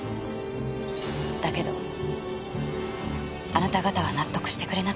だけどあなた方は納得してくれなかった。